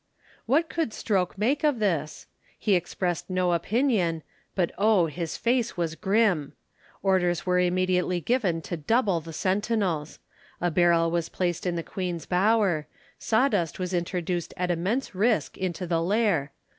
What could Stroke make of this? He expressed no opinion, but oh, his face was grim. Orders were immediately given to double the sentinels. A barrel was placed in the Queen's Bower. Sawdust was introduced at immense risk into the Lair.